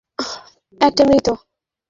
একটা জীবিত, একটা মৃত।